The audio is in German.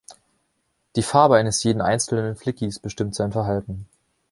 Die Farbe eines jeden einzelnen Flickys bestimmt sein Verhalten.